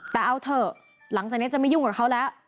แต่เอาเถอะหลังจากนี้จะไม่ยุ่งกับเขาแล้ว